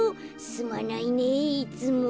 「すまないねぇいつも」。